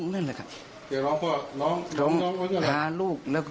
ซึ่งร้องนั่นแหละครับ